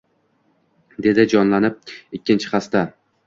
Dedi jonlanib ikkinchi xasta